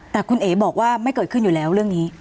แต่คุณเอ๋บอกว่าไม่เกิดขึ้นอยู่แล้วเรื่องนี้